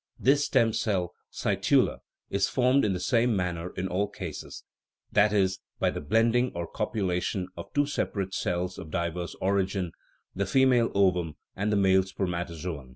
This "stem cell" (cytula) is formed in the same manner in all cases that is, by the blending or copu lation of two separate cells of diverse origin, the female ovum and the male spermatozoon.